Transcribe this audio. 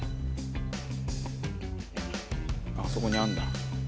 あそこにあんだ。